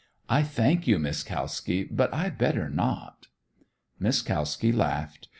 I thank you, Miss Kalski, but I'd better not." Miss Kalski laughed.